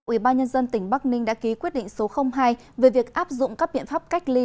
ủy ban nhân dân tỉnh bắc ninh đã ký quyết định số hai về việc áp dụng các biện pháp cách ly